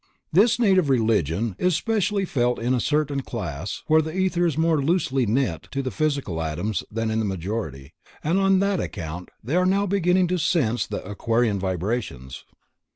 This need of religion is specially felt in a certain class where the ether is more loosely knit to the physical atoms than in the majority, and on that account they are now beginning to sense the Aquarian vibrations.